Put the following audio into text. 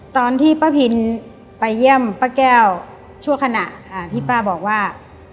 ตอนที่ป้าพินไปเยี่ยมป้าแก้วชั่วขณะที่ป้าบอกว่า